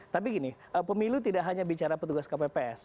tapi gini pemilu tidak hanya bicara petugas kpps